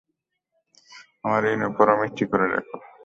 আমার ইউনিফর্ম ইস্ত্রি করে রেখো।